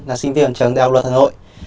là sinh viên huyện trần đạo luật hà nội